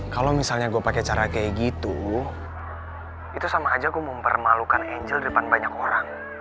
kalo misalnya gue pake cara kayak gitu itu sama aja gue mempermalukan anjel depan banyak orang